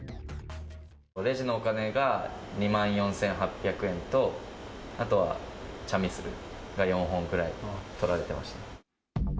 レジのお金が２万４８００円と、あとはチャミスルが４本ぐらいとられてました。